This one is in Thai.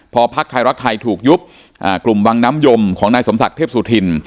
พอพักไทยรักไทยถูกยุบกลุ่มวังน้ำยมของนายสมศักดิ์เทพสุธิน